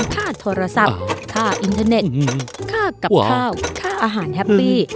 ค่าโทรศัพท์ค่าอินเทอร์เน็ตค่ากับข้าวค่าอาหารแฮปปี้